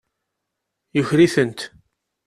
Yuker-itent.